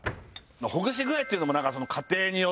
ほぐし具合っていうのも家庭によって。